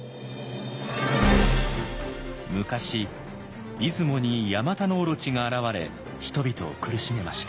昔出雲にヤマタノオロチが現れ人々を苦しめました。